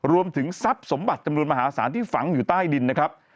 รวมถึงทรัพย์สมบัติจำนวนมหาศาลที่ฝังอยู่ใต้ดินนะครับ